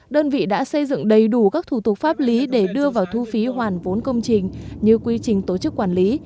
đơn vị đã xây dựng đầy đủ các thủ tục pháp lý để đưa vào thu phí hoàn vốn công trình như quy trình tổ chức quản lý